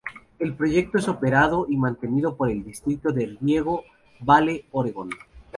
El proyecto es operado y mantenido por el Distrito de Riego Vale-Oregon.